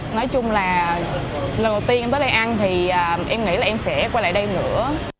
nói chung là lần đầu tiên em tới đây ăn thì em nghĩ là em sẽ quay lại đây nữa